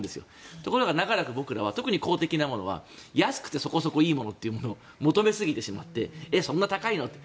ところが長らく、ぼくらは特に公的なものは安くてそこそこいいものというものを求めすぎてしまってえっ、そんな高いの？って。